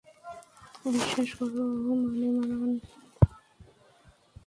বিশ্বাস করো, মানিমারান।